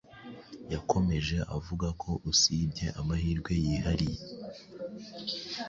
Yakomeje avuga ko usibye amahirwe yihariye,